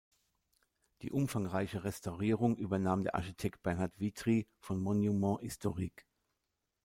Die umfangreiche Restaurierung übernahm der Architekt Bernard Vitry von „Monuments historiques“.